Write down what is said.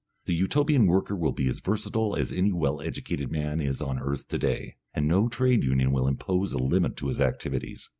The Utopian worker will be as versatile as any well educated man is on earth to day, and no Trade Union will impose a limit to his activities.